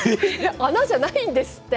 穴じゃないんですって。